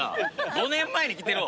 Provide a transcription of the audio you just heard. ５年前に来てるわ！